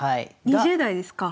２０代ですか。